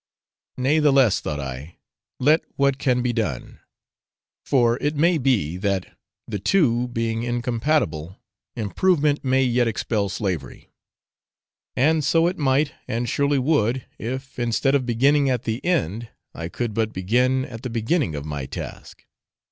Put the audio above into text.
Nathless, thought I, let what can be done; for it may be, that, the two being incompatible, improvement may yet expel slavery and so it might, and surely would, if, instead of beginning at the end, I could but begin at the beginning of my task.